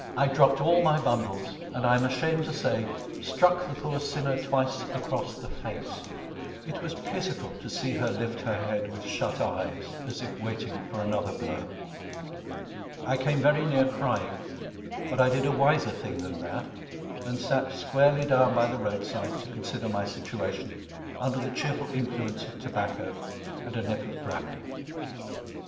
I dropped all my bundles, and, I am ashamed to say, struck the poor sinner twice across the face. It was pitiful to see her lift her head with shut eyes, as if waiting for another blow. I came very near crying, but I did a wiser thing than that, and sat squarely down by the roadside to consider my situation under the cheerful influence of tobacco and a nip of brandy.